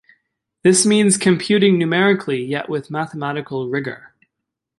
This means computing numerically yet with mathematical rigour.